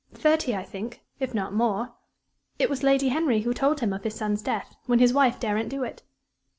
"Thirty, I think if not more. It was Lady Henry who told him of his son's death, when his wife daren't do it."